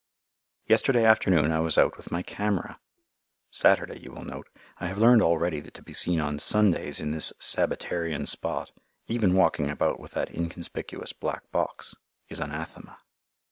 Yesterday afternoon I was out with my camera. (Saturday you will note. I have learned already that to be seen on Sundays in this Sabbatarian spot, even walking about with that inconspicuous black box, is anathema.)